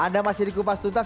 anda masih di kumpas tutas